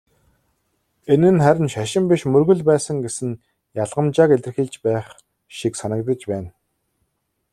Энэ нь харин "шашин" биш "мөргөл" байсан гэсэн ялгамжааг илэрхийлж байх шиг санагдаж байна.